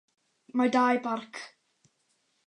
Mae dau barc.